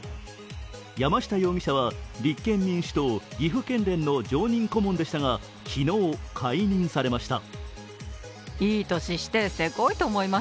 山下容疑者は、立憲民主党岐阜県連の常任顧問でしたが昨日、解任されました。